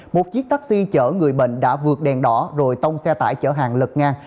một chiếc taxi chở người bệnh đã vượt đèn đỏ rồi tông xe tải chở hàng lật ngang